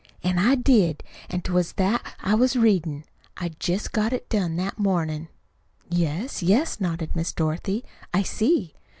An' I did. An' 't was that I was readin'. I'd jest got it done that mornin'." "Yes, yes," nodded Miss Dorothy. "I see."